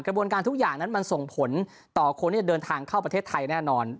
กระบวนการทุกอย่างนั้นมันส่งผลต่อคนที่จะเดินทางเข้าประเทศไทยแน่นอน